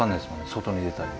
外に出たり。